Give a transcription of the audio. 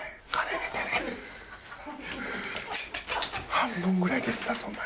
半分ぐらい出てたぞお前。